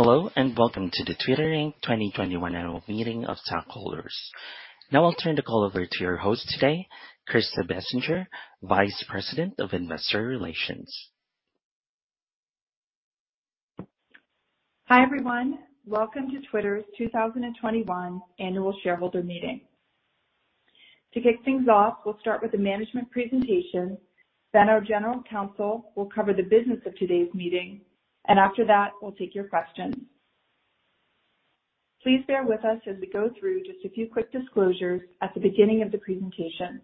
Hello, welcome to the Twitter, Inc 2021 Annual Meeting of Stockholders. Now I'll turn the call over to your host today, Krista Bessinger, Vice President of Investor Relations. Hi, everyone. Welcome to Twitter's 2021 Annual Shareholder Meeting. To kick things off, we'll start with a management presentation, then our general counsel will cover the business of today's meeting, and after that, we'll take your questions. Please bear with us as we go through just a few quick disclosures at the beginning of the presentation.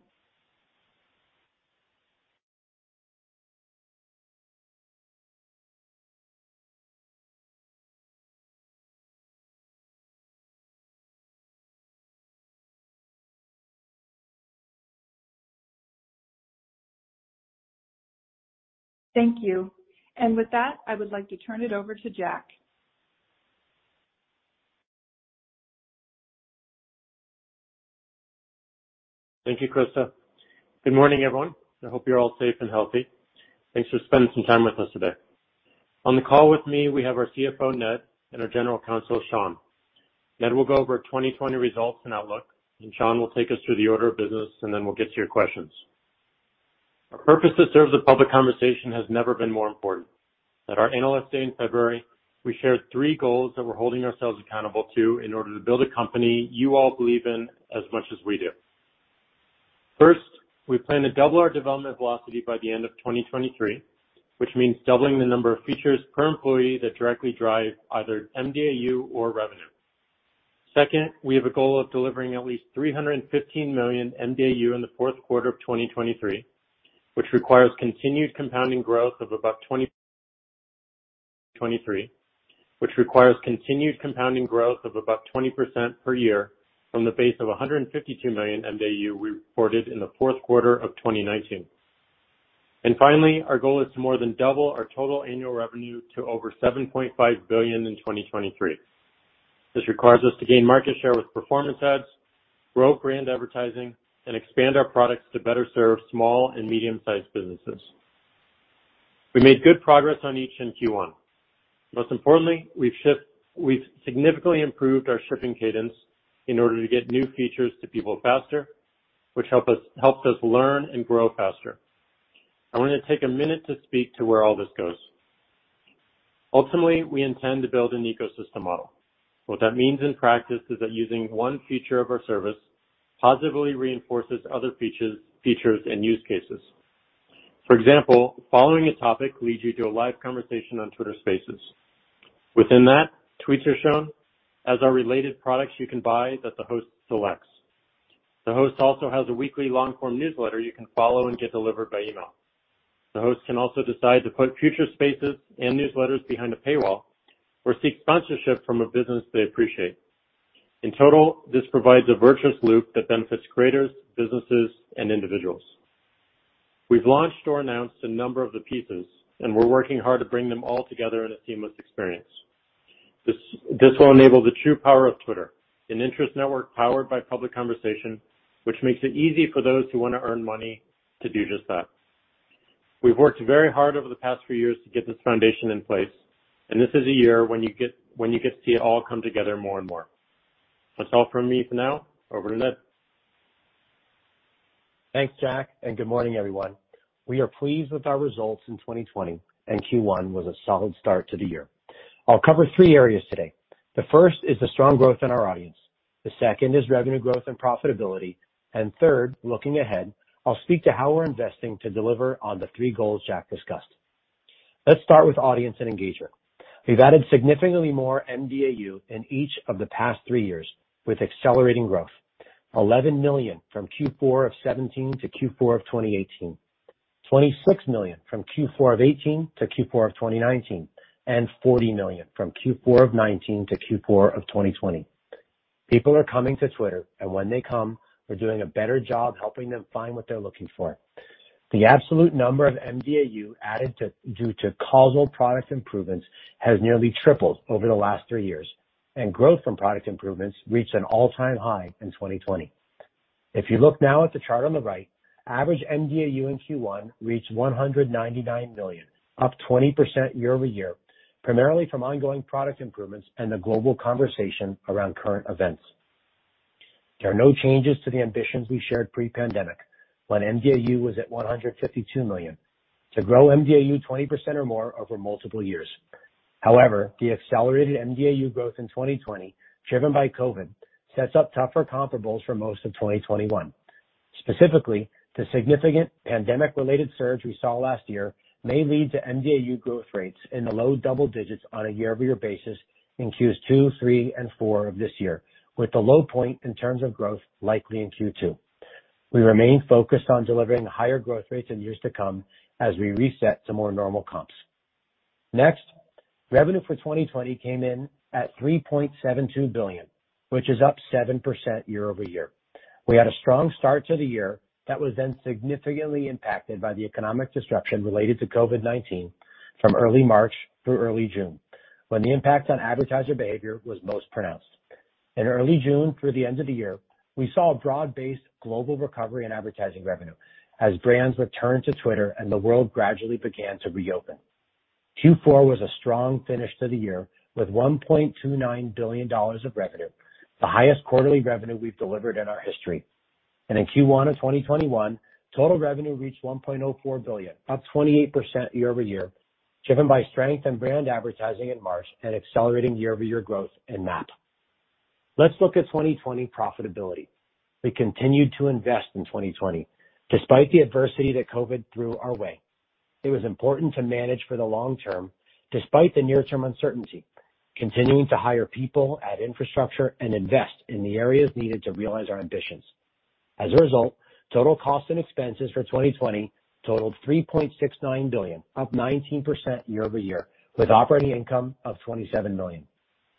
Thank you. With that, I would like to turn it over to Jack. Thank you, Krista. Good morning, everyone. I hope you're all safe and healthy. Thanks for spending some time with us today. On the call with me, we have our CFO, Ned, and our General Counsel, Sean. Ned will go over 2020 results and outlook, and Sean will take us through the order of business, and then we'll get to your questions. Our purpose to serve the public conversation has never been more important. At our Analyst Day in February, we shared three goals that we're holding ourselves accountable to in order to build a company you all believe in as much as we do. First, we plan to double our development velocity by the end of 2023, which means doubling the number of features per employee that directly drive either mDAU or revenue. Second, we have a goal of delivering at least 315 million mDAU in the fourth quarter of 2023, which requires continued compounding growth of about 20% per year from the base of 152 million mDAU we reported in the fourth quarter of 2019. Finally, our goal is to more than double our total annual revenue to over $7.5 billion in 2023. This requires us to gain market share with performance ads, grow brand advertising, and expand our products to better serve small and medium-sized businesses. We made good progress on each in Q1. Most importantly, we've significantly improved our shipping cadence in order to get new features to people faster, which helps us learn and grow faster. I want to take a minute to speak to where all this goes. Ultimately, we intend to build an ecosystem model. What that means in practice is that using one feature of our service positively reinforces other features and use cases. For example, following a topic leads you to a live conversation on Twitter Spaces. Within that, tweets are shown, as are related products you can buy that the host selects. The host also has a weekly long-form newsletter you can follow and get delivered by email. The host can also decide to put future spaces and newsletters behind a paywall or seek sponsorship from a business they appreciate. In total, this provides a virtuous loop that benefits creators, businesses, and individuals. We've launched or announced a number of the pieces, and we're working hard to bring them all together in a seamless experience. This will enable the true power of Twitter, an interest network powered by public conversation, which makes it easy for those who want to earn money to do just that. We've worked very hard over the past few years to get this foundation in place, and this is a year when you get to see it all come together more and more. That's all from me for now. Over to Ned. Thanks, Jack, and good morning, everyone. We are pleased with our results in 2020, and Q1 was a solid start to the year. I'll cover three areas today. The first is the strong growth in our audience. The second is revenue growth and profitability, and third, looking ahead, I'll speak to how we're investing to deliver on the three goals Jack discussed. Let's start with audience and engagement. We've added significantly more mDAU in each of the past three years with accelerating growth. 11 million from Q4 of 2017 to Q4 of 2018. 26 million from Q4 of 2018 to Q4 of 2019, and 40 million from Q4 of 2019 to Q4 of 2020. People are coming to Twitter, and when they come, we're doing a better job helping them find what they're looking for. The absolute number of mDAU added due to causal product improvements has nearly tripled over the last three years, and growth from product improvements reached an all-time high in 2020. If you look now at the chart on the right, average mDAU in Q1 reached 199 million, up 20% year-over-year, primarily from ongoing product improvements and the global conversation around current events. There are no changes to the ambitions we shared pre-pandemic, when mDAU was at 152 million, to grow mDAU 20% or more over multiple years. However, the accelerated mDAU growth in 2020, driven by COVID, sets up tougher comparables for most of 2021. Specifically, the significant pandemic-related surge we saw last year may lead to mDAU growth rates in the low double digits on a year-over-year basis in Q2, Q3, and Q4 of this year, with the low point in terms of growth likely in Q2. We remain focused on delivering higher growth rates in years to come as we reset to more normal comps. Next, revenue for 2020 came in at $3.72 billion, which is up 7% year-over-year. We had a strong start to the year that was then significantly impacted by the economic disruption related to COVID-19 from early March through early June, when the impact on advertiser behavior was most pronounced. In early June, through the end of the year, we saw broad-based global recovery in advertising revenue as brands returned to Twitter and the world gradually began to reopen. Q4 was a strong finish to the year with $1.29 billion of revenue, the highest quarterly revenue we've delivered in our history. In Q1 of 2021, total revenue reached $1.04 billion, up 28% year-over-year, driven by strength in brand advertising at March and accelerating year-over-year growth in MAP. Let's look at 2020 profitability. We continued to invest in 2020, despite the adversity that COVID threw our way. It was important to manage for the long term, despite the near-term uncertainty, continuing to hire people, add infrastructure, and invest in the areas needed to realize our ambitions. As a result, total cost and expenses for 2020 totaled $3.69 billion, up 19% year-over-year, with operating income of $27 million.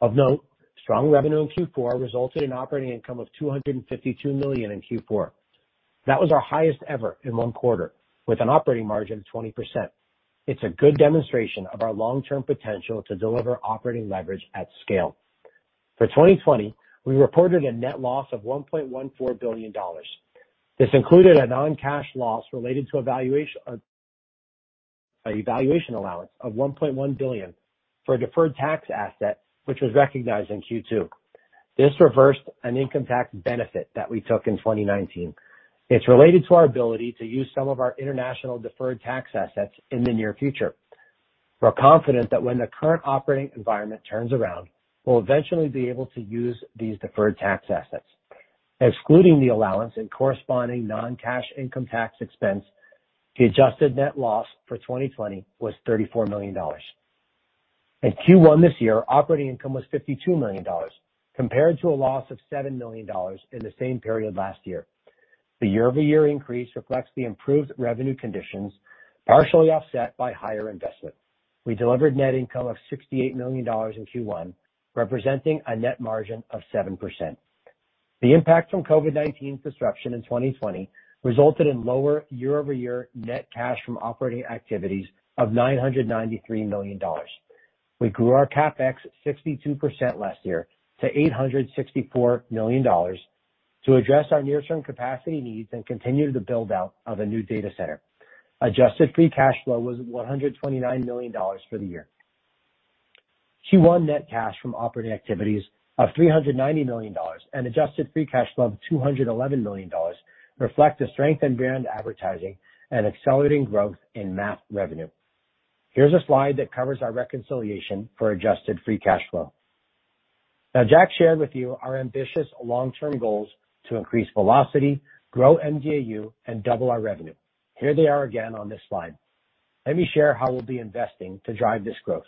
Of note, strong revenue in Q4 resulted in operating income of $252 million in Q4. That was our highest ever in one quarter, with an operating margin of 20%. It's a good demonstration of our long-term potential to deliver operating leverage at scale. For 2020, we reported a net loss of $1.14 billion. This included a non-cash loss related to a valuation allowance of $1.1 billion for a deferred tax asset, which was recognized in Q2. This reversed an income tax benefit that we took in 2019. It's related to our ability to use some of our international deferred tax assets in the near future. We're confident that when the current operating environment turns around, we'll eventually be able to use these deferred tax assets. Excluding the allowance and corresponding non-cash income tax expense, the adjusted net loss for 2020 was $34 million. In Q1 this year, operating income was $52 million, compared to a loss of $7 million in the same period last year. The year-over-year increase reflects the improved revenue conditions, partially offset by higher investment. We delivered net income of $68 million in Q1, representing a net margin of 7%. The impact from COVID-19 disruption in 2020 resulted in lower year-over-year net cash from operating activities of $993 million. We grew our CapEx 62% last year to $864 million to address our near-term capacity needs and continue the build-out of a new data center. Adjusted free cash flow was $129 million for the year. Q1 net cash from operating activities of $390 million and adjusted free cash flow of $211 million reflect the strength in brand advertising and accelerating growth in MAP revenue. Here's a slide that covers our reconciliation for adjusted free cash flow. Jack shared with you our ambitious long-term goals to increase velocity, grow mDAU, and double our revenue. Here they are again on this slide. Let me share how we'll be investing to drive this growth.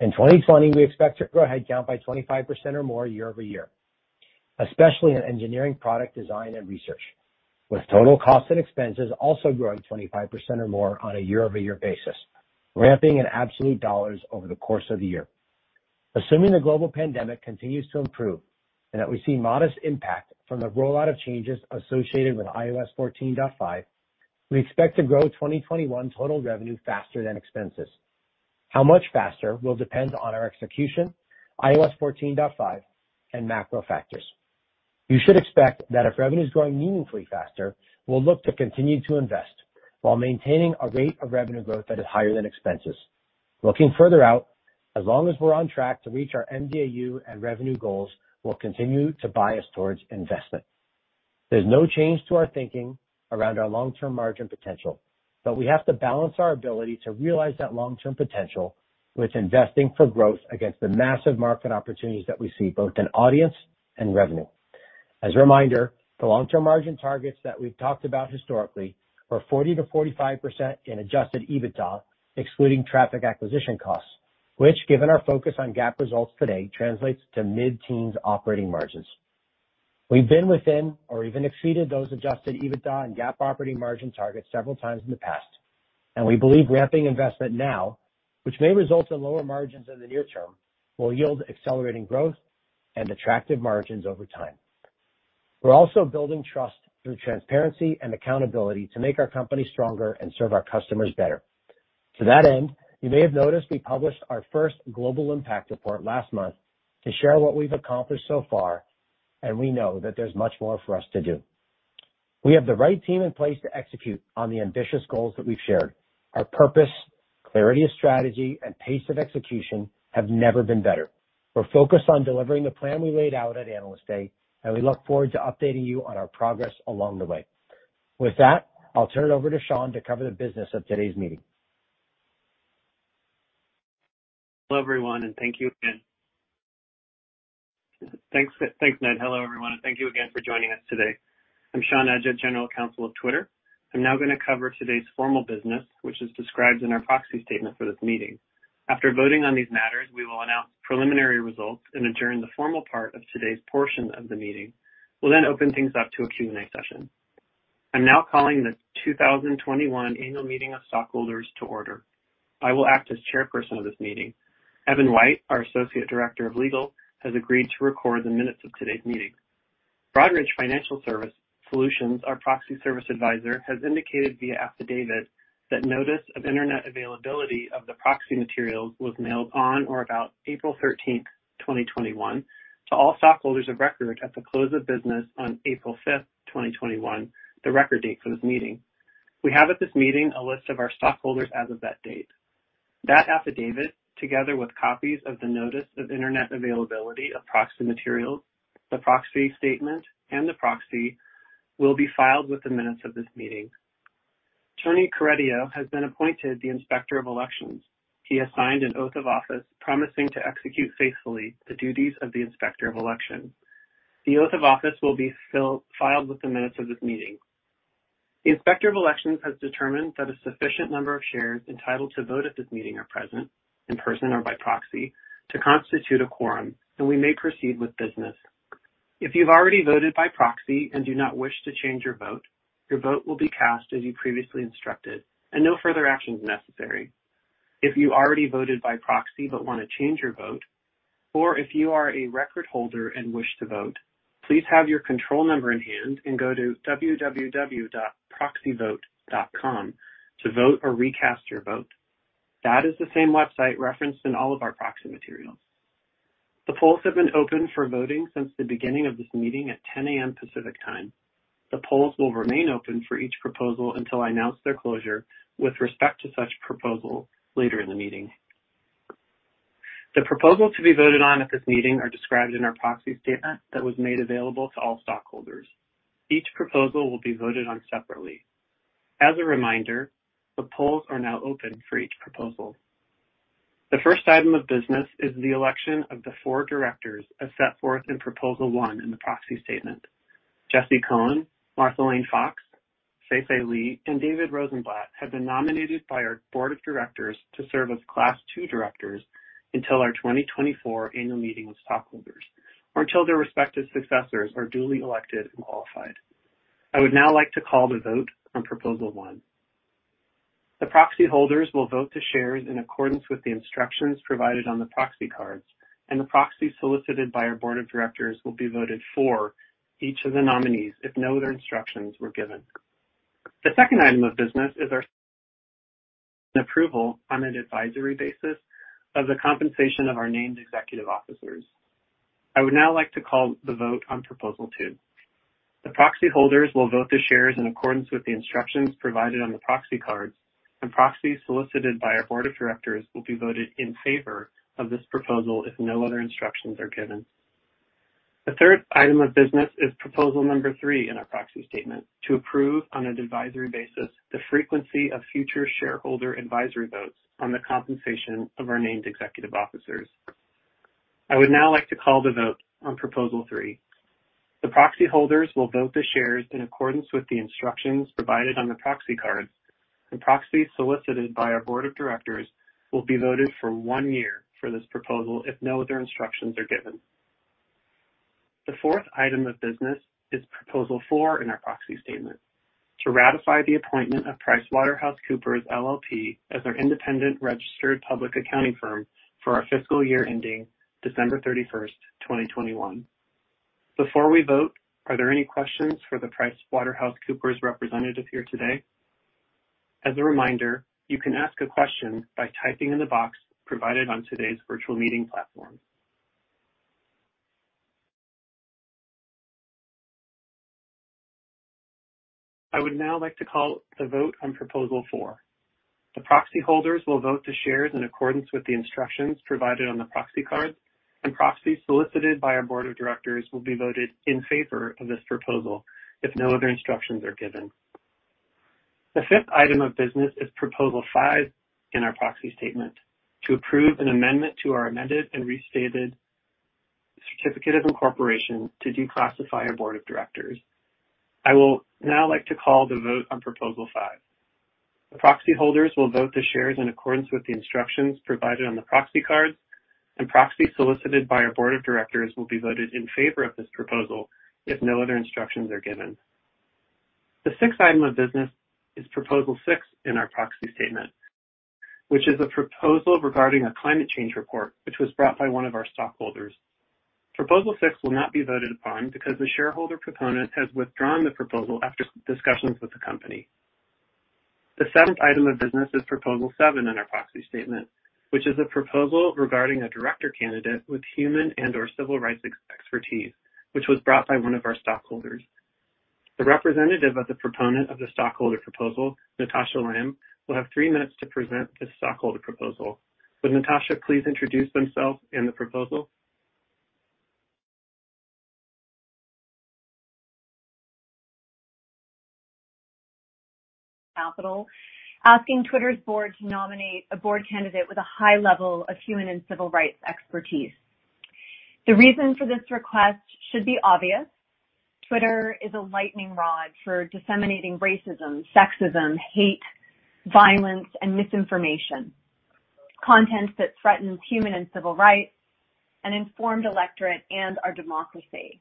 In 2020, we expect to grow headcount by 25% or more year-over-year, especially in engineering, product design, and research, with total cost and expenses also growing 25% or more on a year-over-year basis, ramping in absolute dollars over the course of the year. Assuming the global pandemic continues to improve and that we see modest impact from the rollout of changes associated with iOS 14.5, we expect to grow 2021 total revenue faster than expenses. How much faster will depend on our execution, iOS 14.5, and macro factors. You should expect that if revenue is growing meaningfully faster, we'll look to continue to invest while maintaining a rate of revenue growth that is higher than expenses. Looking further out, as long as we're on track to reach our mDAU and revenue goals, we'll continue to bias towards investment. There's no change to our thinking around our long-term margin potential, but we have to balance our ability to realize that long-term potential with investing for growth against the massive market opportunities that we see both in audience and revenue. As a reminder, the long-term margin targets that we've talked about historically were 40%-45% in adjusted EBITDA, excluding traffic acquisition costs, which given our focus on GAAP results today translates to mid-teens operating margins. We've been within or even exceeded those adjusted EBITDA and GAAP operating margin targets several times in the past, and we believe ramping investment now, which may result in lower margins in the near term, will yield accelerating growth and attractive margins over time. We're also building trust through transparency and accountability to make our company stronger and serve our customers better. To that end, you may have noticed we published our first Global Impact Report last month to share what we've accomplished so far, and we know that there's much more for us to do. We have the right team in place to execute on the ambitious goals that we've shared. Our purpose, clarity of strategy, and pace of execution have never been better. We're focused on delivering the plan we laid out at Analyst Day, and we look forward to updating you on our progress along the way. With that, I'll turn it over to Sean to cover the business of today's meeting. Hello, everyone, and thank you again. Thanks, Ned. Hello, everyone, thank you again for joining us today. I'm Sean Edgett, General Counsel of Twitter. I'm now going to cover today's formal business, which is described in our proxy statement for this meeting. After voting on these matters, we will announce preliminary results and adjourn the formal part of today's portion of the meeting. We'll then open things up to a Q&A session. I'm now calling this 2021 annual meeting of stockholders to order. I will act as chairperson of this meeting. Evan White, our Associate Director of Legal, has agreed to record the minutes of today's meeting. Broadridge Financial Solutions, our proxy service advisor, has indicated via affidavit that notice of internet availability of the proxy materials was mailed on or about April 13th, 2021 to all stockholders of record at the close of business on April 5th, 2021, the record date for this meeting. We have at this meeting a list of our stockholders as of that date. That affidavit, together with copies of the notice of internet availability of proxy materials, the proxy statement, and the proxy, will be filed with the minutes of this meeting. Tony Carideo has been appointed the Inspector of Elections. He has signed an oath of office promising to execute faithfully the duties of the Inspector of Elections. The oath of office will be filed with the minutes of this meeting. The Inspector of Elections has determined that a sufficient number of shares entitled to vote at this meeting are present, in person or by proxy, to constitute a quorum, and we may proceed with business. If you've already voted by proxy and do not wish to change your vote, your vote will be cast as you previously instructed, and no further action is necessary. If you already voted by proxy but want to change your vote, or if you are a record holder and wish to vote, please have your control number in hand and go to www.proxyvote.com to vote or recast your vote. That is the same website referenced in all of our proxy materials. The polls have been open for voting since the beginning of this meeting at 10:00 A.M. Pacific Time. The polls will remain open for each proposal until I announce their closure with respect to such proposal later in the meeting. The proposals to be voted on at this meeting are described in our proxy statement that was made available to all stockholders. Each proposal will be voted on separately. As a reminder, the polls are now open for each proposal. The first item of business is the election of the four directors as set forth in Proposal One in the proxy statement. Jesse Cohn, Martha Lane Fox, Fei-Fei Li, and David Rosenblatt have been nominated by our Board of Directors to serve as Class II directors until our 2024 annual meeting of stockholders or until their respective successors are duly elected and qualified. I would now like to call the vote on Proposal One. The proxy holders will vote the shares in accordance with the instructions provided on the proxy cards, and the proxies solicited by our Board of Directors will be voted for each of the nominees if no other instructions were given. The second item of business is our approval on an advisory basis of the compensation of our named executive officers. I would now like to call the vote on Proposal Two. The proxy holders will vote the shares in accordance with the instructions provided on the proxy cards, and proxies solicited by our Board of Directors will be voted in favor of this proposal if no other instructions are given. The third item of business is Proposal number Three in our proxy statement to approve on an advisory basis the frequency of future shareholder advisory votes on the compensation of our named executive officers. I would now like to call the vote on Proposal Three. The proxy holders will vote the shares in accordance with the instructions provided on the proxy cards, and proxies solicited by our Board of Directors will be voted for one year for this proposal if no other instructions are given. The fourth item of business is Proposal Four in our proxy statement to ratify the appointment of PricewaterhouseCoopers LLP as our independent registered public accounting firm for our fiscal year ending December 31st, 2021. Before we vote, are there any questions for the PricewaterhouseCoopers representative here today? As a reminder, you can ask a question by typing in the box provided on today's virtual meeting platform. I would now like to call the vote on Proposal Four. The proxy holders will vote the shares in accordance with the instructions provided on the proxy cards, and proxies solicited by our Board of Directors will be voted in favor of this proposal if no other instructions are given. The fifth item of business is Proposal Five in our proxy statement to approve an amendment to our amended and restated certificate of incorporation to declassify our Board of Directors. I will now like to call the vote on Proposal Five. The proxy holders will vote the shares in accordance with the instructions provided on the proxy cards, and proxies solicited by our Board of Directors will be voted in favor of this proposal if no other instructions are given. The sixth item of business is Proposal Six in our proxy statement, which is a proposal regarding a climate change report which was brought by one of our stockholders. Proposal Six will not be voted upon because the shareholder proponent has withdrawn the proposal after discussions with the company. The seventh item of business is Proposal Seven in our proxy statement, which is a proposal regarding a director candidate with human and/or civil rights expertise, which was brought by one of our stockholders. The representative of the proponent of the stockholder proposal, Natasha Lamb, will have three minutes to present this stockholder proposal. Will Natasha please introduce themselves and the proposal? Capital, asking Twitter's Board to nominate a board candidate with a high level of human and civil rights expertise. The reason for this request should be obvious. Twitter is a lightning rod for disseminating racism, sexism, hate, violence, and misinformation, content that threatens human and civil rights, an informed electorate, and our democracy.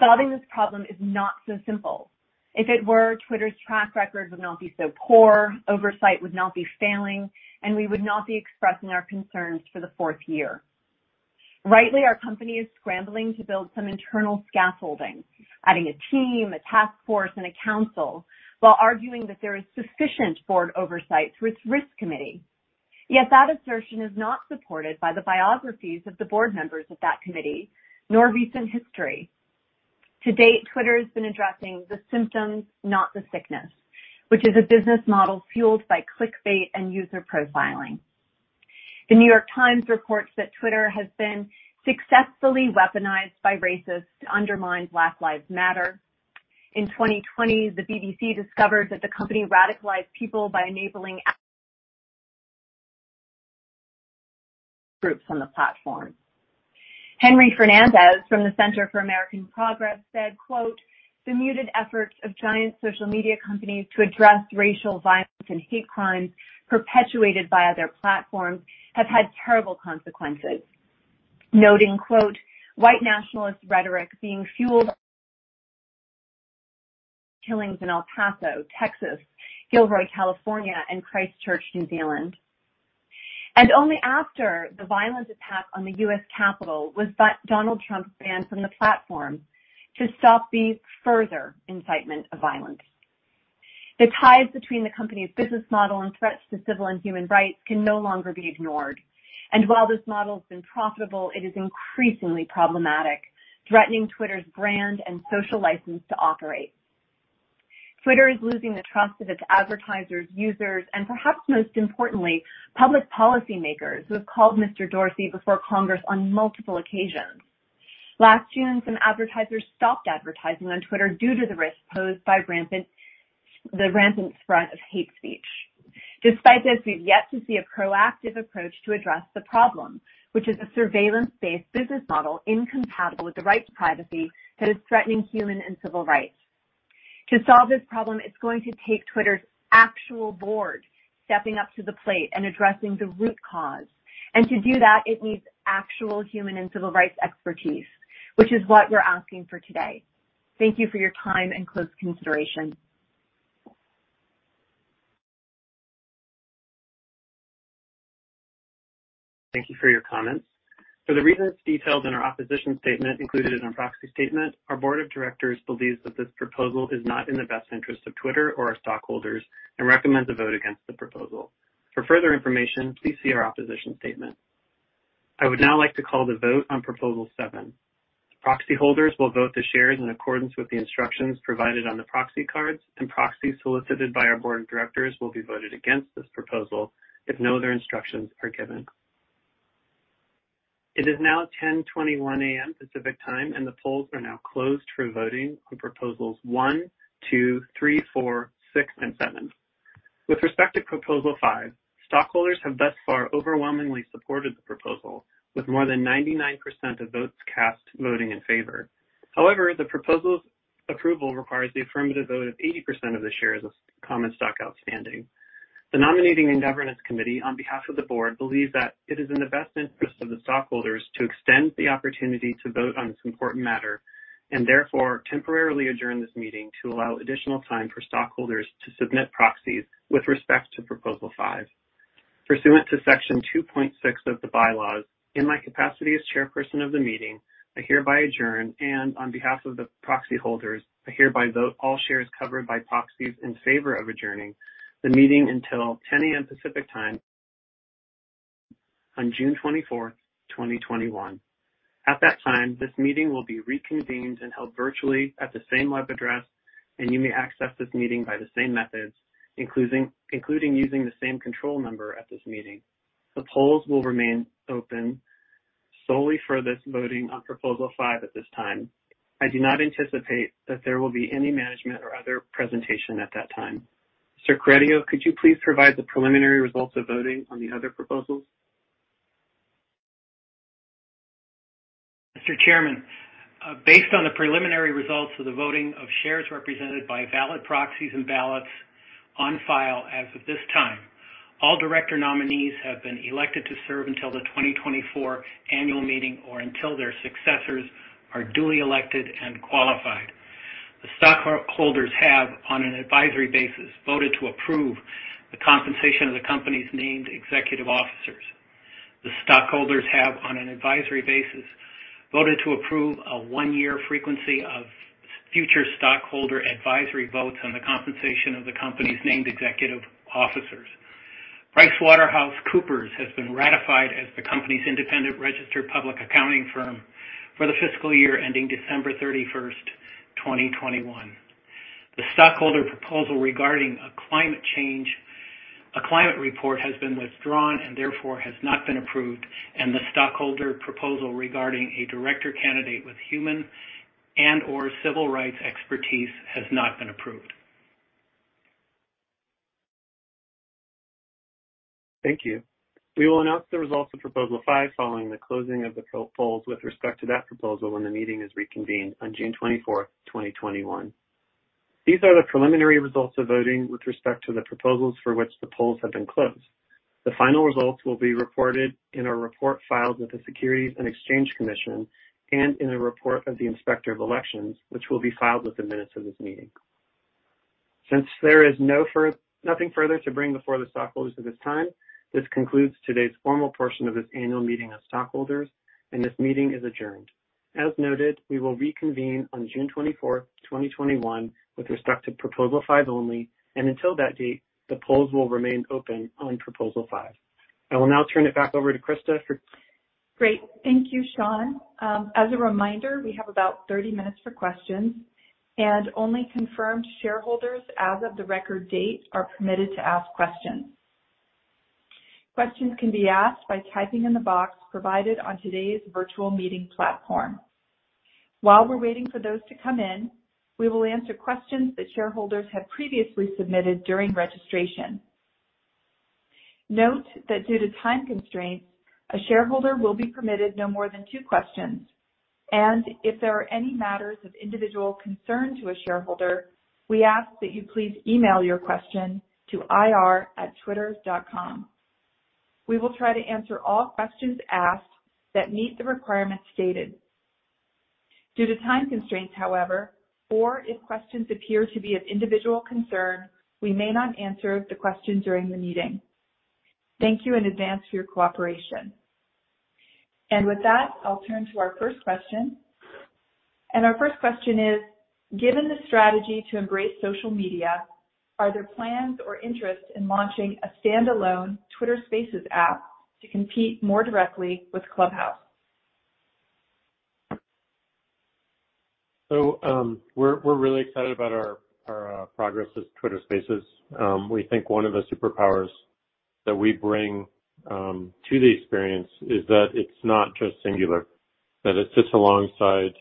Solving this problem is not so simple. If it were, Twitter's track record would not be so poor, oversight would not be failing, and we would not be expressing our concerns for the fourth year. Rightly, our company is scrambling to build some internal scaffolding, adding a team, a task force, and a council while arguing that there is sufficient board oversight through its risk committee. Yet that assertion is not supported by the biographies of the board members of that committee, nor recent history. To date, Twitter's been addressing the symptoms, not the sickness, which is a business model fueled by clickbait and user profiling. The New York Times reports that Twitter has been successfully weaponized by racists to undermine Black Lives Matter. In 2020, the BBC discovered that the company radicalized people by enabling groups on the platform. Henry Fernandez from the Center for American Progress said, quote, "The muted efforts of giant social media companies to address racial violence and hate crimes perpetuated via their platforms have had terrible consequences." Noting, quote, "White nationalist rhetoric being fueled killings in El Paso, Texas, Gilroy, California, and Christchurch, New Zealand." Only after the violent attack on the U.S. Capitol was Donald Trump banned from the platform to stop the further incitement of violence. The ties between the company's business model and threats to civil and human rights can no longer be ignored. While this model has been profitable, it is increasingly problematic, threatening Twitter's brand and social license to operate. Twitter is losing the trust of its advertisers, users, and perhaps most importantly, public policymakers who have called Mr. Dorsey before Congress on multiple occasions. Last June, some advertisers stopped advertising on Twitter due to the risk posed by the rampant spread of hate speech. Despite this, we've yet to see a proactive approach to address the problem, which is a surveillance-based business model incompatible with the right to privacy that is threatening human and civil rights. To solve this problem, it's going to take Twitter's actual Board stepping up to the plate and addressing the root cause. To do that, it needs actual human and civil rights expertise, which is what we're asking for today. Thank you for your time and close consideration. Thank you for your comments. For the reasons detailed in our opposition statement included in our proxy statement, our Board of Directors believes that this proposal is not in the best interest of Twitter or our stockholders and recommends a vote against the proposal. For further information, please see our opposition statement. I would now like to call the vote on Proposal Seven. Proxy holders will vote the shares in accordance with the instructions provided on the proxy cards, and proxies solicited by our Board of Directors will be voted against this proposal if no other instructions are given. It is now 10:21 A.M. Pacific Time, and the polls are now closed for voting on Proposals one, two, three, four, six, and seven. With respect to Proposal Five, stockholders have thus far overwhelmingly supported the proposal, with more than 99% of votes cast voting in favor. However, the proposal's approval requires the affirmative vote of 80% of the shares of common stock outstanding. The Nominating and Governance Committee, on behalf of the Board, believe that it is in the best interest of the stockholders to extend the opportunity to vote on this important matter and therefore temporarily adjourn this meeting to allow additional time for stockholders to submit proxies with respect to Proposal Five. Pursuant to Section 2.6 of the bylaws, in my capacity as Chairperson of the meeting, I hereby adjourn, and on behalf of the proxy holders, I hereby vote all shares covered by proxies in favor of adjourning the meeting until 10:00 A.M. Pacific Time on June 24th, 2021. At that time, this meeting will be reconvened and held virtually at the same web address, and you may access this meeting by the same methods, including using the same control number as this meeting. The polls will remain open solely for this voting on Proposal Five at this time. I do not anticipate that there will be any management or other presentation at that time. Mr. Carideo, could you please provide the preliminary results of voting on the other proposals? Mr. Chairman, based on the preliminary results of the voting of shares represented by valid proxies and ballots on file as of this time, all director nominees have been elected to serve until the 2024 annual meeting or until their successors are duly elected and qualified. The stockholders have, on an advisory basis, voted to approve the compensation of the company's named executive officers. The stockholders have, on an advisory basis, voted to approve a one-year frequency of future stockholder advisory votes on the compensation of the company's named executive officers. PricewaterhouseCoopers has been ratified as the company's independent registered public accounting firm for the fiscal year ending December 31st, 2021. The stockholder proposal regarding a climate report has been withdrawn and therefore has not been approved, and the stockholder proposal regarding a director candidate with human and/or civil rights expertise has not been approved. Thank you. We will announce the results of Proposal Five following the closing of the polls with respect to that proposal when the meeting is reconvened on June 24, 2021. These are the preliminary results of voting with respect to the proposals for which the polls have been closed. The final results will be reported in a report filed with the Securities and Exchange Commission and in a report of the Inspector of Elections, which will be filed with the minutes of this meeting. There is nothing further to bring before the stockholders at this time, this concludes today's formal portion of this annual meeting of stockholders, and this meeting is adjourned. As noted, we will reconvene on June 24, 2021, with respect to Proposal Five only, until that date, the polls will remain open on Proposal Five. I will now turn it back over to Krista. Great. Thank you, Sean. As a reminder, we have about 30 minutes for questions, and only confirmed shareholders as of the record date are permitted to ask questions. Questions can be asked by typing in the box provided on today's virtual meeting platform. While we're waiting for those to come in, we will answer questions that shareholders had previously submitted during registration. Note that due to time constraints, a shareholder will be permitted no more than two questions, and if there are any matters of individual concern to a shareholder, we ask that you please email your question to ir@twitter.com. We will try to answer all questions asked that meet the requirements stated. Due to time constraints, however, or if questions appear to be of individual concern, we may not answer the question during the meeting. Thank you in advance for your cooperation. With that, I'll turn to our first question. Our first question is: Given the strategy to embrace social media, are there plans or interest in launching a standalone Twitter Spaces app to compete more directly with Clubhouse? We're really excited about our progress with Twitter Spaces. We think one of the superpowers that we bring to the experience is that it's not just singular, that it sits alongside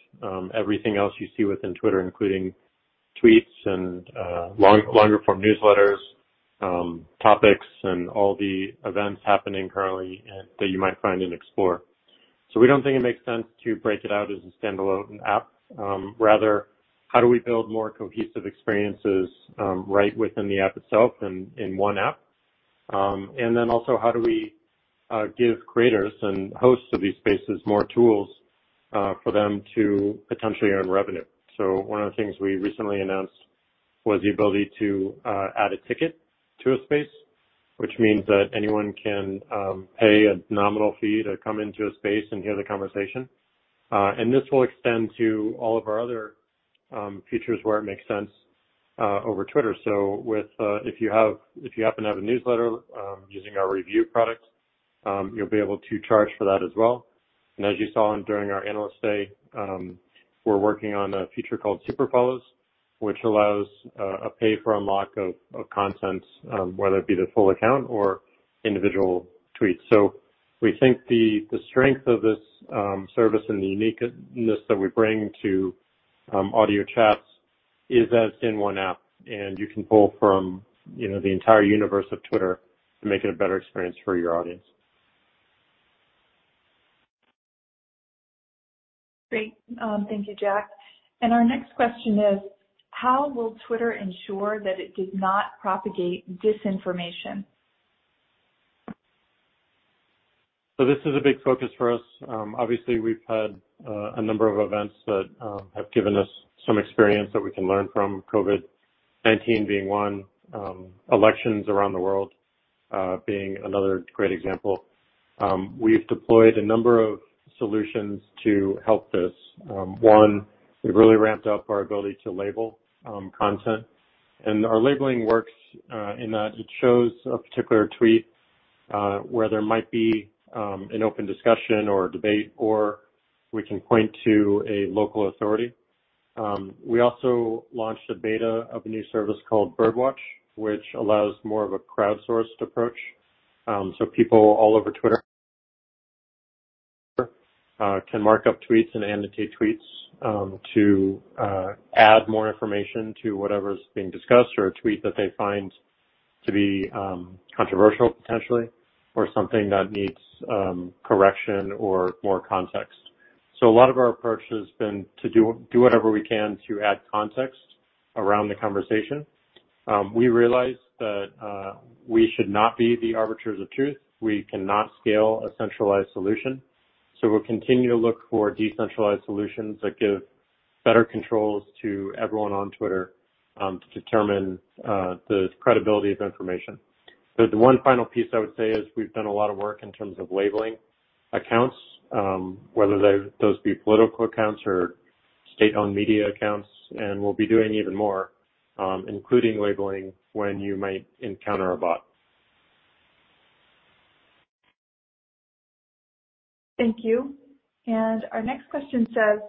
everything else you see within Twitter, including tweets and longer form newsletters, topics, and all the events happening currently that you might find in Explore. We don't think it makes sense to break it out as a standalone app. Rather, how do we build more cohesive experiences right within the app itself and in one app? Then also how do we give creators and hosts of these spaces more tools for them to potentially earn revenue? One of the things we recently announced was the ability to add a ticket to a space, which means that anyone can pay a nominal fee to come into a space and hear the conversation. This will extend to all of our other features where it makes sense over Twitter. If you happen to have a newsletter using our Revue product, you'll be able to charge for that as well. As you saw during our Analyst Day, we're working on a feature called Super Follows, which allows a pay-for-unlock of content, whether it be the full account or individual tweets. We think the strength of this service and the uniqueness that we bring to audio chats is that it's in one app, and you can pull from the entire universe of Twitter to make it a better experience for your audience. Great. Thank you, Jack. Our next question is: How will Twitter ensure that it does not propagate disinformation? This is a big focus for us. Obviously, we've had a number of events that have given us some experience that we can learn from, COVID-19 being one, elections around the world being another great example. We've deployed a number of solutions to help this. One, we've really ramped up our ability to label content, and our labeling works in that it shows a particular tweet where there might be an open discussion or debate, or we can point to a local authority. We also launched a beta of a new service called Birdwatch, which allows more of a crowdsourced approach. People all over Twitter can mark up tweets and annotate tweets to add more information to whatever's being discussed or a tweet that they find to be controversial potentially, or something that needs correction or more context. A lot of our approach has been to do whatever we can to add context around the conversation. We realize that we should not be the arbiters of truth. We cannot scale a centralized solution. We'll continue to look for decentralized solutions that give better controls to everyone on Twitter to determine the credibility of information. The one final piece I would say is we've done a lot of work in terms of labeling accounts, whether those be political accounts or state-owned media accounts, and we'll be doing even more, including labeling when you might encounter a bot. Thank you. Our next question says: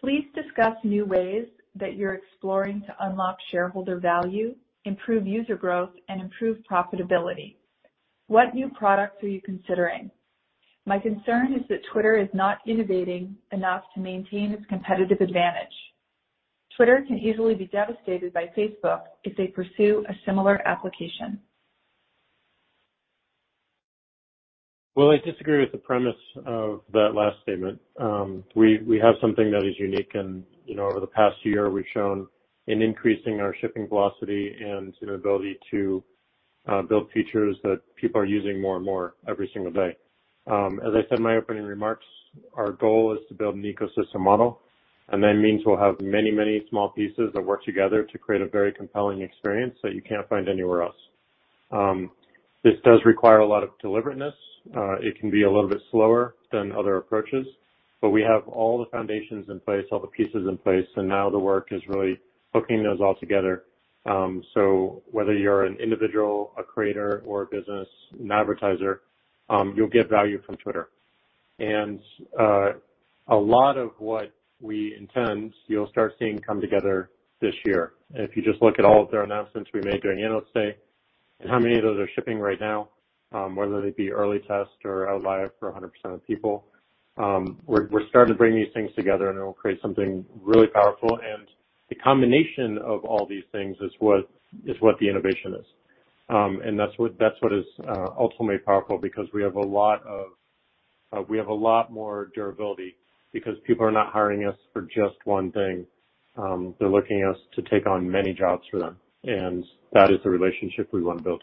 Please discuss new ways that you're exploring to unlock shareholder value, improve user growth, and improve profitability. What new products are you considering? My concern is that Twitter is not innovating enough to maintain its competitive advantage. Twitter can easily be devastated by Facebook if they pursue a similar application. Well, I disagree with the premise of that last statement. We have something that is unique and over the past year, we've shown an increase in our shipping velocity and an ability to build features that people are using more and more every single day. As I said in my opening remarks, our goal is to build an ecosystem model. That means we'll have many small pieces that work together to create a very compelling experience that you can't find anywhere else. This does require a lot of deliberateness. It can be a little bit slower than other approaches. We have all the foundations in place, all the pieces in place, and now the work is really hooking those all together. Whether you're an individual, a creator or a business, an advertiser, you'll get value from Twitter. A lot of what we intend you'll start seeing come together this year. If you just look at all of our announcements we made during Analyst Day and how many of those are shipping right now, whether they be early test or out live for 100% of people, we're starting to bring these things together and it'll create something really powerful. The combination of all these things is what the innovation is. That's what is ultimately powerful because we have a lot more durability because people are not hiring us for just one thing. They're looking at us to take on many jobs for them, and that is the relationship we want to build.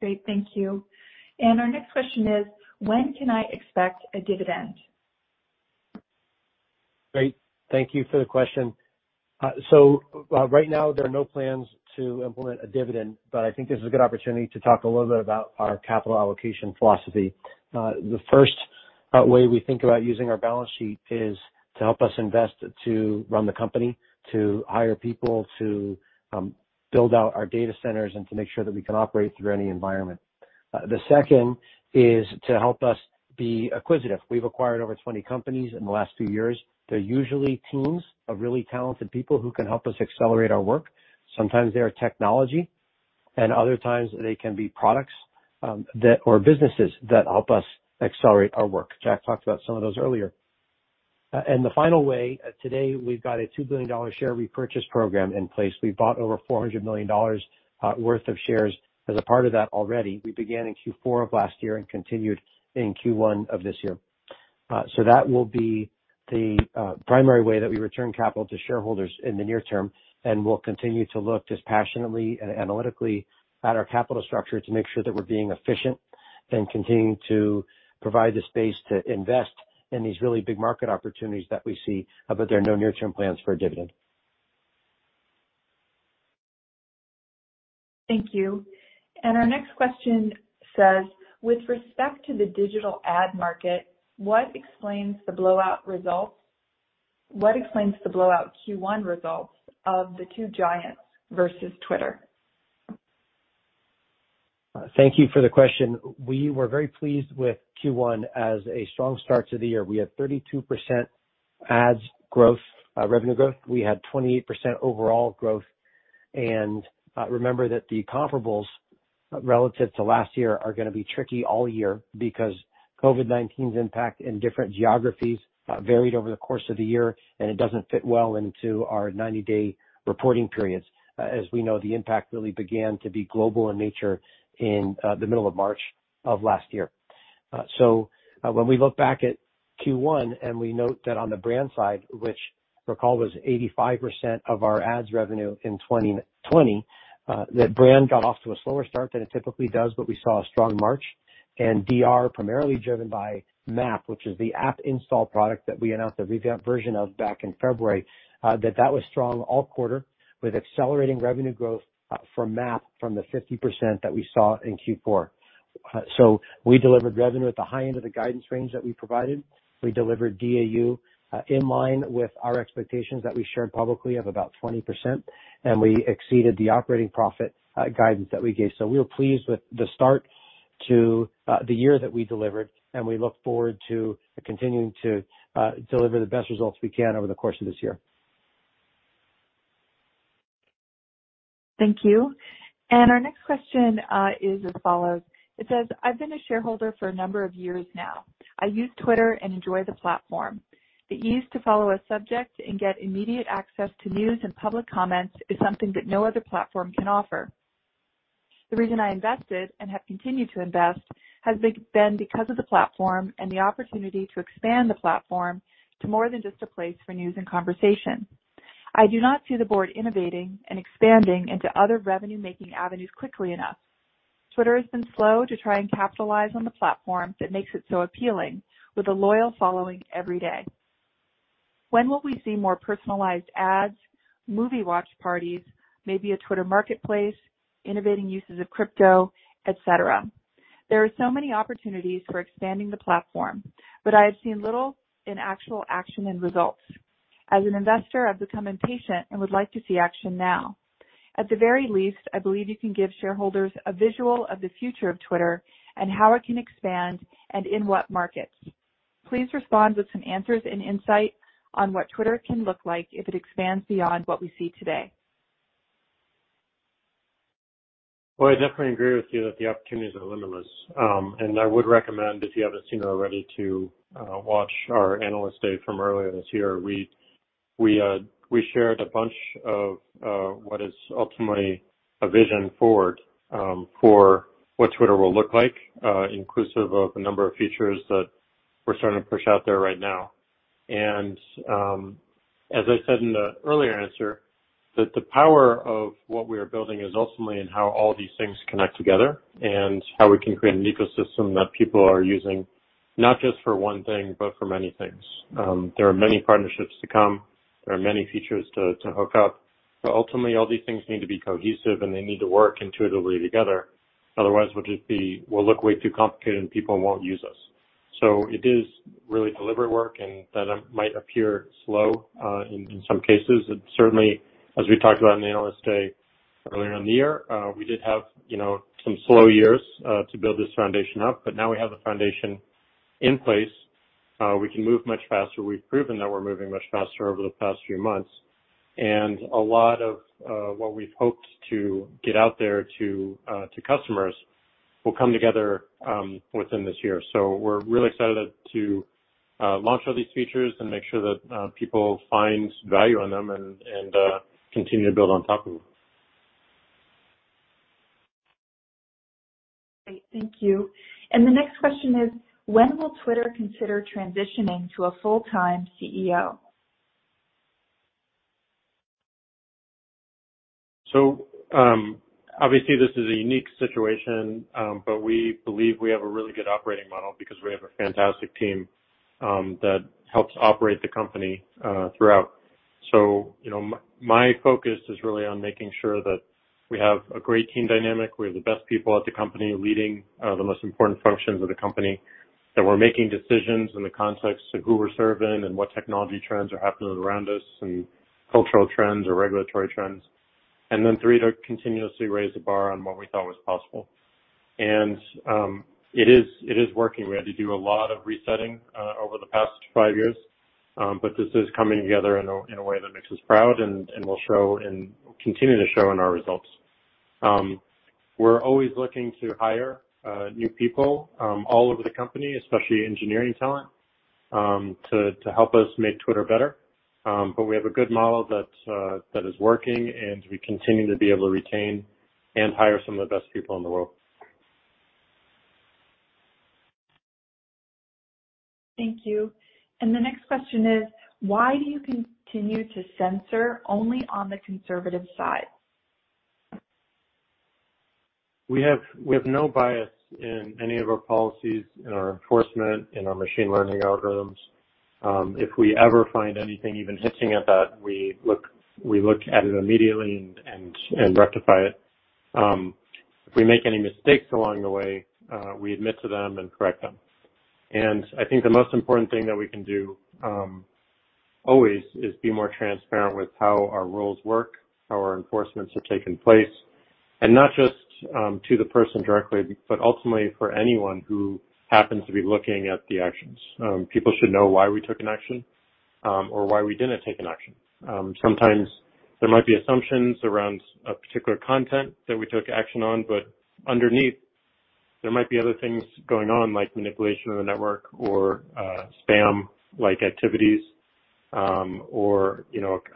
Great. Thank you. Our next question is: When can I expect a dividend? Great. Thank you for the question. Right now, there are no plans to implement a dividend, but I think this is a good opportunity to talk a little bit about our capital allocation philosophy. The first way we think about using our balance sheet is to help us invest, to run the company, to hire people, to build out our data centers and to make sure that we can operate through any environment. The second is to help us be acquisitive. We've acquired over 20 companies in the last few years. They're usually teams of really talented people who can help us accelerate our work. Sometimes they are technology, and other times they can be products or businesses that help us accelerate our work. Jack talked about some of those earlier. The final way, today, we've got a $2 billion share repurchase program in place. We bought over $400 million worth of shares as a part of that already. We began in Q4 of last year and continued in Q1 of this year. That will be the primary way that we return capital to shareholders in the near term, and we'll continue to look passionately and analytically at our capital structure to make sure that we're being efficient and continuing to provide the space to invest in these really big market opportunities that we see, but there are no near-term plans for a dividend. Thank you. Our next question says: With respect to the digital ad market, what explains the blowout Q1 results of the two giants versus Twitter? Thank you for the question. We were very pleased with Q1 as a strong start to the year. We had 32% ads revenue growth. We had 28% overall growth. Remember that the comparables relative to last year are going to be tricky all year because COVID-19's impact in different geographies varied over the course of the year, and it doesn't fit well into our 90-day reporting periods. As we know, the impact really began to be global in nature in the middle of March of last year. When we look back at Q1 and we note that on the brand side, which recall was 85% of our ads revenue in 2020, that brand got off to a slower start than it typically does, but we saw a strong March and DR, primarily driven by MAP, which is the app install product that we announced a revamped version of back in February. That was strong all quarter with accelerating revenue growth from MAP from the 50% that we saw in Q4. We delivered revenue at the high end of the guidance range that we provided. We delivered DAU in line with our expectations that we shared publicly of about 20%, and we exceeded the operating profit guidance that we gave. We were pleased with the start to the year that we delivered, and we look forward to continuing to deliver the best results we can over the course of this year. Thank you. Our next question is as follows. It says: I've been a shareholder for a number of years now. I use Twitter and enjoy the platform. The ease to follow a subject and get immediate access to news and public comments is something that no other platform can offer. The reason I invested and have continued to invest has been because of the platform and the opportunity to expand the platform to more than just a place for news and conversation. I do not see the Board innovating and expanding into other revenue-making avenues quickly enough. Twitter has been slow to try and capitalize on the platform that makes it so appealing with a loyal following every day. When will we see more personalized ads, movie watch parties, maybe a Twitter marketplace, innovating uses of crypto, et cetera. There are so many opportunities for expanding the platform, but I have seen little in actual action and results. As an investor, I've become impatient and would like to see action now. At the very least, I believe you can give shareholders a visual of the future of Twitter and how it can expand and in what markets. Please respond with some answers and insight on what Twitter can look like if it expands beyond what we see today. Well, I definitely agree with you that the opportunities are limitless. I would recommend if you haven't seen already to watch our Analyst Day from earlier this year. We shared a bunch of what is ultimately a vision forward for what Twitter will look like, inclusive of a number of features that we're starting to push out there right now. As I said in the earlier answer, that the power of what we are building is ultimately in how all these things connect together and how we can create an ecosystem that people are using not just for one thing, but for many things. There are many partnerships to come. There are many features to hook up, but ultimately, all these things need to be cohesive, and they need to work intuitively together. Otherwise, we'll look way too complicated, and people won't use us. It is really deliberate work, and that might appear slow in some cases. Certainly, as we talked about on Analyst Day earlier in the year, we did have some slow years to build this foundation up, but now we have the foundation in place. We can move much faster. We've proven that we're moving much faster over the past few months. A lot of what we've hoped to get out there to customers will come together within this year. We're really excited to launch all these features and make sure that people find value in them and continue to build on top of them. Great. Thank you. The next question is: When will Twitter consider transitioning to a full-time CEO? Obviously this is a unique situation, but we believe we have a really good operating model because we have a fantastic team that helps operate the company throughout. My focus is really on making sure that we have a great team dynamic. We have the best people at the company leading the most important functions of the company, that we're making decisions in the context of who we're serving and what technology trends are happening around us and cultural trends or regulatory trends. Then three, to continuously raise the bar on what we thought was possible. It is working. We had to do a lot of resetting over the past five years. This is coming together in a way that makes us proud, and will continue to show in our results. We're always looking to hire new people all over the company, especially engineering talent, to help us make Twitter better. We have a good model that is working, and we continue to be able to retain and hire some of the best people in the world. Thank you. The next question is: Why do you continue to censor only on the conservative side? We have no bias in any of our policies, in our enforcement, in our machine learning algorithms. If we ever find anything even hinting at that, we look at it immediately and rectify it. If we make any mistakes along the way, we admit to them and correct them. I think the most important thing that we can do, always, is be more transparent with how our rules work, how our enforcements are taking place, and not just to the person directly, but ultimately for anyone who happens to be looking at the actions. People should know why we took an action or why we didn't take an action. Sometimes there might be assumptions around a particular content that we took action on, but underneath there might be other things going on, like manipulation of the network or spam-like activities or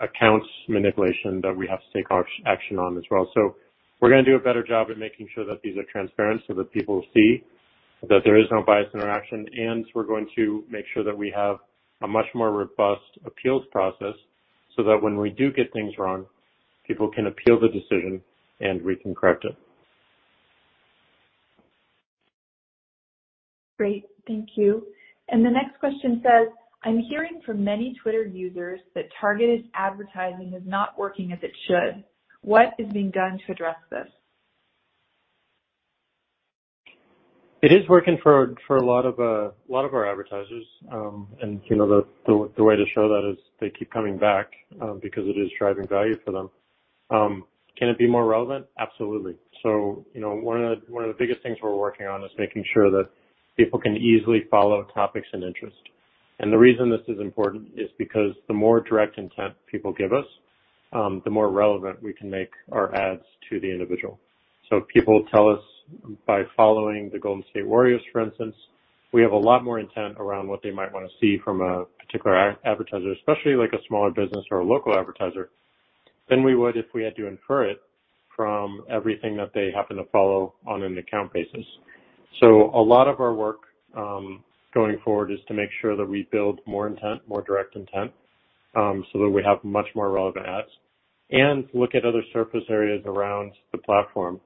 accounts manipulation that we have to take action on as well. We're going to do a better job at making sure that these are transparent so that people see that there is no bias interaction. We're going to make sure that we have a much more robust appeals process so that when we do get things wrong, people can appeal the decision, and we can correct it. Great. Thank you. The next question says: I'm hearing from many Twitter users that targeted advertising is not working as it should. What is being done to address this? It is working for a lot of our advertisers, and the way to show that is they keep coming back because it is driving value for them. Can it be more relevant? Absolutely. One of the biggest things we're working on is making sure that people can easily follow topics of interest. The reason this is important is because the more direct intent people give us, the more relevant we can make our ads to the individual. People tell us by following the Golden State Warriors, for instance, we have a lot more intent around what they might want to see from a particular advertiser, especially like a smaller business or a local advertiser, than we would if we had to infer it from everything that they happen to follow on an account basis. A lot of our work going forward is to make sure that we build more intent, more direct intent, so that we have much more relevant ads and look at other surface areas around the platform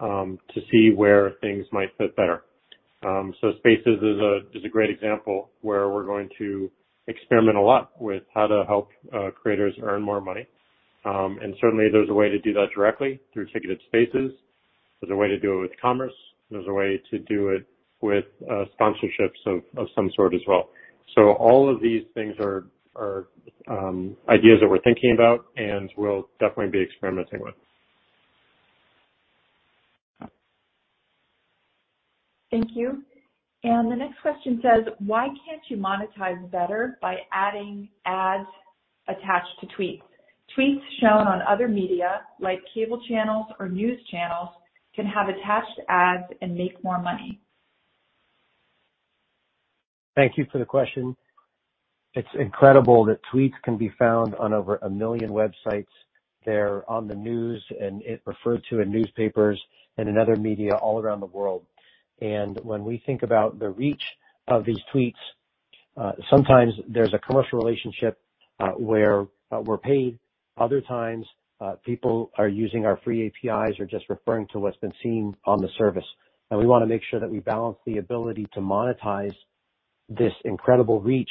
to see where things might fit better. Spaces is a great example where we're going to experiment a lot with how to help creators earn more money. Certainly, there's a way to do that directly through ticketed Spaces. There's a way to do it with commerce. There's a way to do it with sponsorships of some sort as well. All of these things are ideas that we're thinking about and we'll definitely be experimenting with. Thank you. The next question says: Why can't you monetize better by adding ads attached to tweets? Tweets shown on other media, like cable channels or news channels, can have attached ads and make more money? Thank you for the question. It's incredible that tweets can be found on over a million websites. They're on the news, and referred to in newspapers and in other media all around the world. When we think about the reach of these tweets, sometimes there's a commercial relationship where we're paid. Other times, people are using our free APIs or just referring to what's been seen on the service. We want to make sure that we balance the ability to monetize this incredible reach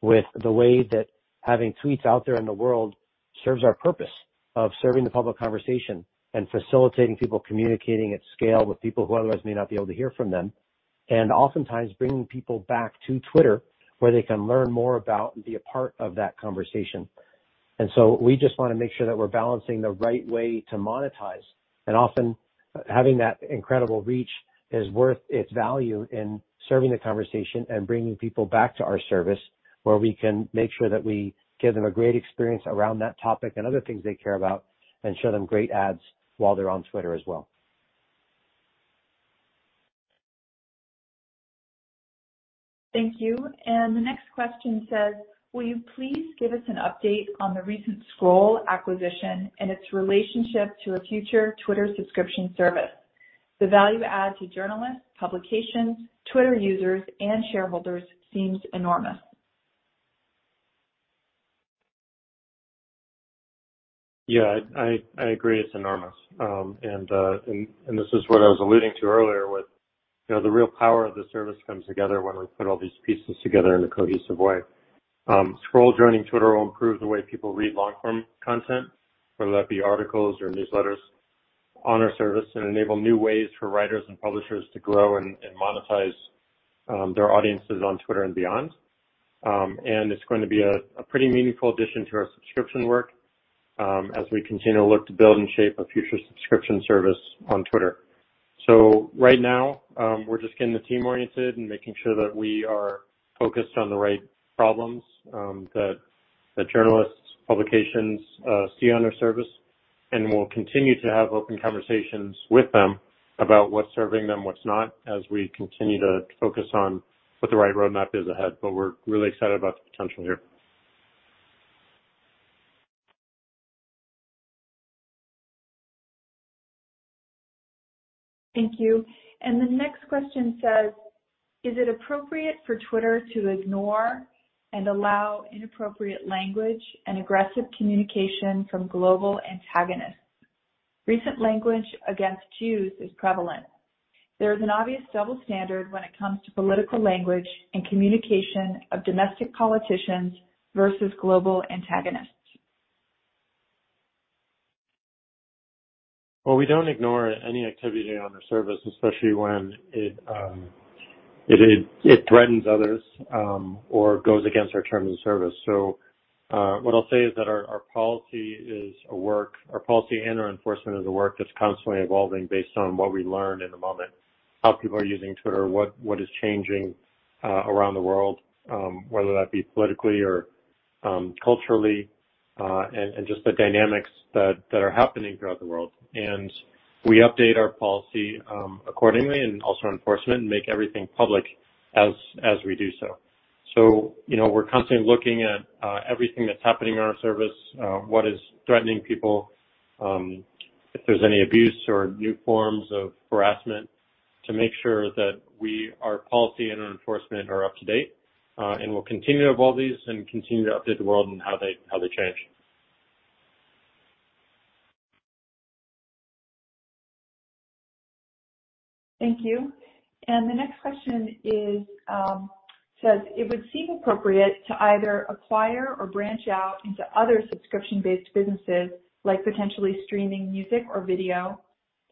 with the way that having tweets out there in the world serves our purpose of serving the public conversation and facilitating people communicating at scale with people who otherwise may not be able to hear from them. Oftentimes bringing people back to Twitter, where they can learn more about and be a part of that conversation. We just want to make sure that we're balancing the right way to monetize. Often, having that incredible reach is worth its value in serving the conversation and bringing people back to our service, where we can make sure that we give them a great experience around that topic and other things they care about, and show them great ads while they're on Twitter as well. Thank you. The next question says: Will you please give us an update on the recent Scroll acquisition and its relationship to a future Twitter subscription service? The value add to journalists, publications, Twitter users, and shareholders seems enormous. Yeah, I agree, it's enormous. This is what I was alluding to earlier with the real power of the service comes together when we put all these pieces together in a cohesive way. Scroll joining Twitter will improve the way people read long-form content, whether that be articles or newsletters, on our service and enable new ways for writers and publishers to grow and monetize their audiences on Twitter and beyond. It's going to be a pretty meaningful addition to our subscription work as we continue to look to build and shape a future subscription service on Twitter. Right now, we're just getting the team oriented and making sure that we are focused on the right problems that journalists, publications see on our service. We'll continue to have open conversations with them about what's serving them, what's not, as we continue to focus on what the right roadmap is ahead. We're really excited about the potential here. Thank you. The next question says: Is it appropriate for Twitter to ignore and allow inappropriate language and aggressive communication from global antagonists? Recent language against Jews is prevalent. There is an obvious double standard when it comes to political language and communication of domestic politicians versus global antagonists. Well, we don't ignore any activity on our service, especially when it threatens others or goes against our terms of service. What I'll say is that our policy and our enforcement is a work that's constantly evolving based on what we learn in the moment, how people are using Twitter, what is changing around the world, whether that be politically or culturally, and just the dynamics that are happening throughout the world. We update our policy accordingly and also enforcement, and make everything public as we do so. We're constantly looking at everything that's happening on our service, what is threatening people, if there's any abuse or new forms of harassment, to make sure that our policy and enforcement are up to date. We'll continue to evolve these and continue to update the world and how they change. Thank you. The next question says: It would seem appropriate to either acquire or branch out into other subscription-based businesses, like potentially streaming music or video,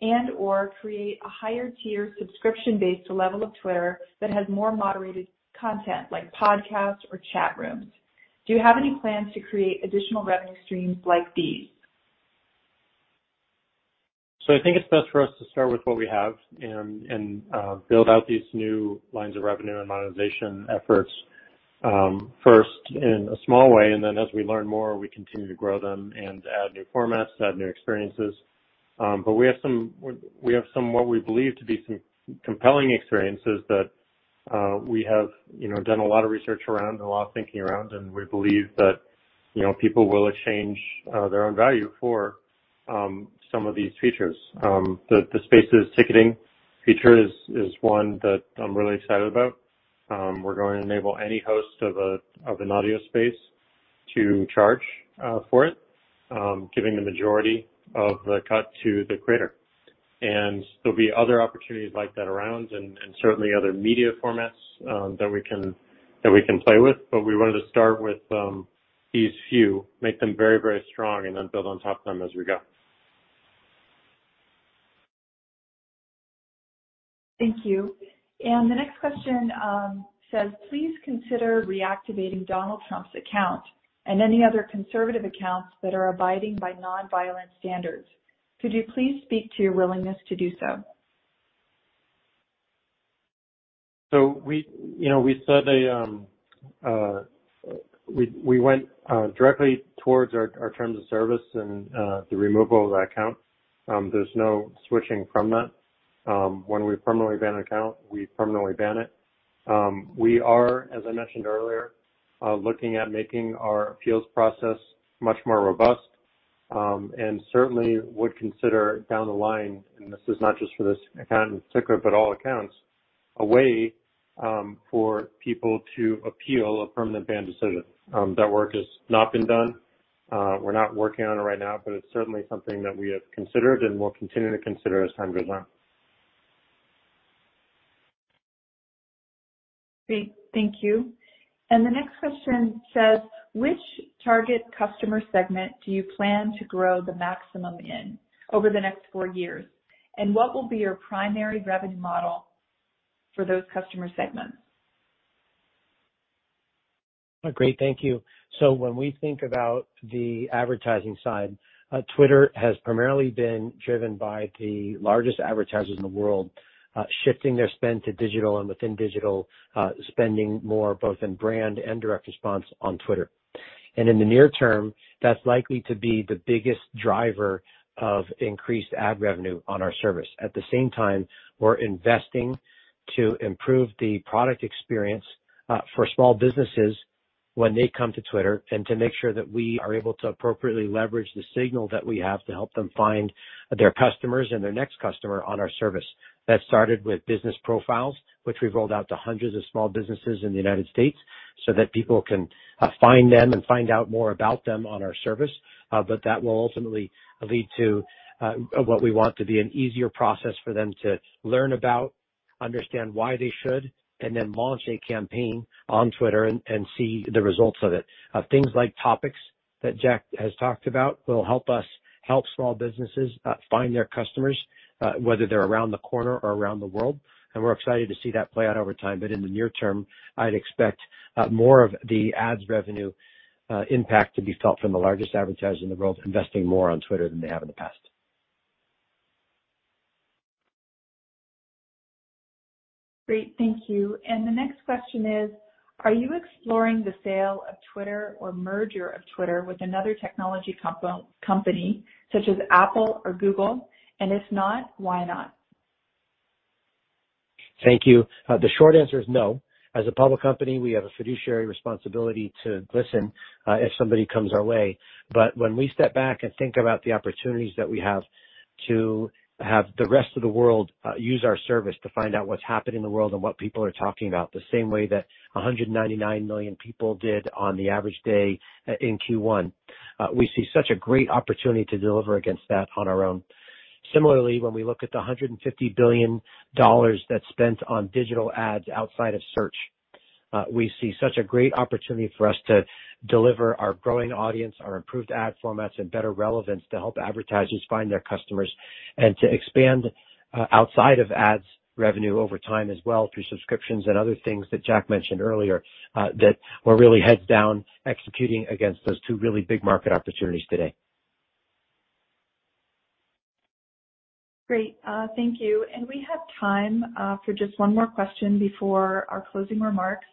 and/or create a higher tier subscription-based level of Twitter that has more moderated content, like podcasts or chat rooms. Do you have any plans to create additional revenue streams like these? I think it's best for us to start with what we have and build out these new lines of revenue and monetization efforts first in a small way, and then as we learn more, we continue to grow them and add new formats, add new experiences. We have some, what we believe to be, some compelling experiences that we have done a lot of research around and a lot of thinking around, and we believe that people will exchange their own value for some of these features. The Spaces ticketing feature is one that I'm really excited about. We're going to enable any host of an audio Space to charge for it, giving the majority of the cut to the creator. There'll be other opportunities like that around, and certainly other media formats that we can play with. We wanted to start with these few, make them very, very strong, and then build on top of them as we go. Thank you. The next question says: Please consider reactivating Donald Trump's account and any other conservative accounts that are abiding by non-violent standards. Could you please speak to your willingness to do so? We said a, we went directly towards our terms of service and the removal of that account. There's no switching from that. When we permanently ban an account, we permanently ban it. We are, as I mentioned earlier, looking at making our appeals process much more robust, and certainly would consider down the line, and this is not just for this account in particular, but all accounts, a way for people to appeal a permanent ban decision. That work has not been done. We're not working on it right now, but it's certainly something that we have considered and will continue to consider as time goes on. Great. Thank you. The next question says: Which target customer segment do you plan to grow the maximum in over the next four years? What will be your primary revenue model for those customer segments? Great, thank you. When we think about the advertising side, Twitter has primarily been driven by the largest advertisers in the world shifting their spend to digital and within digital, spending more both in brand and direct response on Twitter. In the near term, that's likely to be the biggest driver of increased ad revenue on our service. At the same time, we're investing to improve the product experience for small businesses when they come to Twitter and to make sure that we are able to appropriately leverage the signal that we have to help them find their customers and their next customer on our service. That started with business profiles, which we've rolled out to hundreds of small businesses in the U.S. so that people can find them and find out more about them on our service. That will ultimately lead to what we want to be an easier process for them to learn about, understand why they should, and then launch a campaign on Twitter and see the results of it. Things like topics that Jack has talked about will help us help small businesses find their customers, whether they're around the corner or around the world, and we're excited to see that play out over time. In the near term, I'd expect more of the ads revenue impact to be felt from the largest advertisers in the world investing more on Twitter than they have in the past. Great. Thank you. The next question is: Are you exploring the sale of Twitter or merger of Twitter with another technology company such as Apple or Google? If not, why not? Thank you. The short answer is no. As a public company, we have a fiduciary responsibility to listen if somebody comes our way. When we step back and think about the opportunities that we have to have the rest of the world use our service to find out what's happening in the world and what people are talking about, the same way that 199 million people did on the average day in Q1. We see such a great opportunity to deliver against that on our own. Similarly, when we look at the $150 billion that's spent on digital ads outside of search, we see such a great opportunity for us to deliver our growing audience, our improved ad formats, and better relevance to help advertisers find their customers and to expand outside of ads revenue over time as well through subscriptions and other things that Jack mentioned earlier. We're really heads down executing against those two really big market opportunities today. Great. Thank you. We have time for just one more question before our closing remarks.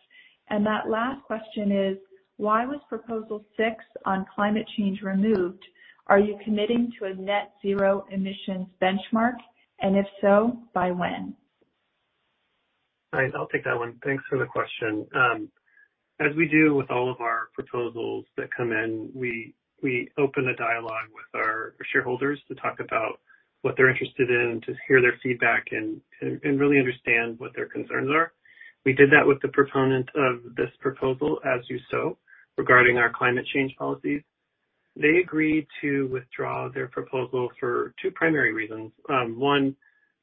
That last question is: Why was Proposal Six on climate change removed? Are you committing to a net zero emissions benchmark, and if so, by when? Great. I'll take that one. Thanks for the question. As we do with all of our proposals that come in, we open a dialogue with our shareholders to talk about what they're interested in, to hear their feedback, and to really understand what their concerns are. We did that with the proponents of this proposal, As You Sow, regarding our climate change policies. They agreed to withdraw their proposal for two primary reasons. One,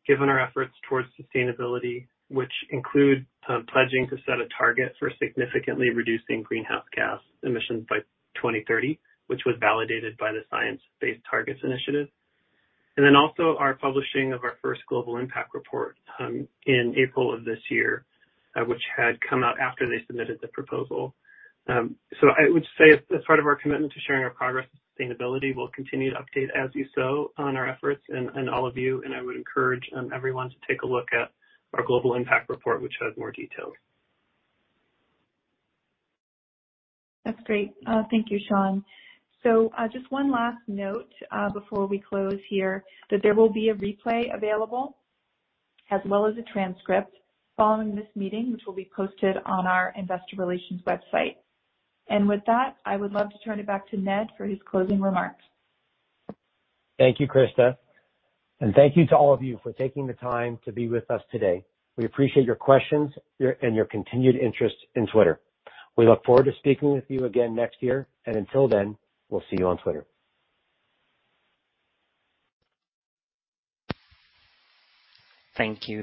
given our efforts towards sustainability, which include pledging to set a target for significantly reducing greenhouse gas emissions by 2030, which was validated by the Science Based Targets initiative. Also our publishing of our first Global Impact Report in April of this year, which had come out after they submitted the proposal. I would say as part of our commitment to sharing our progress with sustainability, we'll continue to update As You Sow on our efforts and all of you. I would encourage everyone to take a look at our Global Impact Report, which has more details. That's great. Thank you, Sean. Just one last note before we close here, that there will be a replay available as well as a transcript following this meeting, which will be posted on our investor relations website. With that, I would love to turn it back to Ned for his closing remarks. Thank you, Krista. Thank you to all of you for taking the time to be with us today. We appreciate your questions and your continued interest in Twitter. We look forward to speaking with you again next year, and until then, we'll see you on Twitter. Thank you.